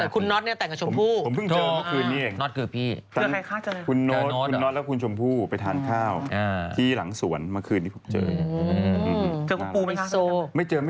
กลัวว่าผมจะต้องไปพูดให้ปากคำกับตำรวจยังไง